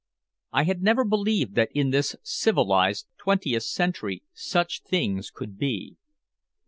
I had never believed that in this civilized twentieth century such things could be.